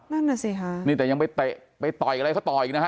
นั่นน่ะสิค่ะนี่แต่ยังไปเตะไปต่อยอะไรเขาต่ออีกนะฮะ